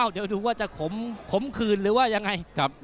เดี๋ยวดูว่าจะขมขืนหรือว่ายังไง